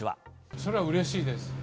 そりゃうれしいです。